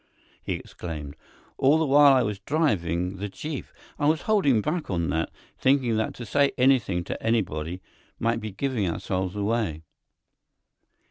he exclaimed. "All the while I was driving the jeep, I was holding back on that, thinking that to say anything to anybody might be giving ourselves away."